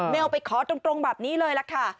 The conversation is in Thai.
เอาไปขอตรงแบบนี้เลยล่ะค่ะ